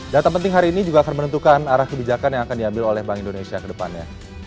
data penting hari ini juga akan menentukan arah kebijakan yang akan diambil oleh bank indonesia ke depannya